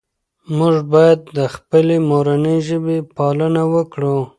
موږ باید د خپلې مورنۍ ژبې پالنه وکړو.